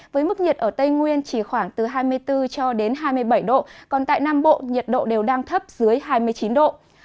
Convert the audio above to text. với mức nhiệt ở tây nguyên chỉ khoảng từ hai mươi bốn cho đến hai mươi bảy độ còn tại nam bộ nhiệt độ đều đang thấp dưới hai mươi chín độ